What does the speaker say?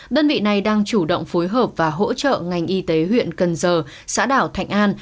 đơn vị này đang chủ động phối hợp và hỗ trợ ngành y tế huyện cần giờ xã đảo thạnh an